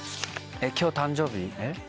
今日誕生日？